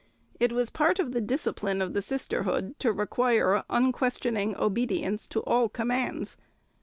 It was part of the discipline of the sisterhood to require unquestioning obedience to all commands.